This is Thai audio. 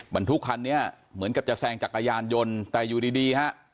บรรทุกคันนี้เหมือนกับจะแซงจักรยานยนต์แต่อยู่ดีดีฮะ